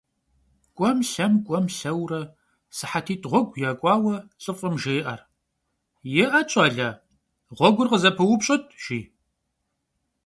КӀуэм-лъэм, кӀуэм-лъэурэ, сыхьэтитӀ гъуэгу якӀуауэ, лӀыфӀым жеӀэ: - ИӀэт, щӀалэ, гъуэгур къызэпыупщӀыт!- жи.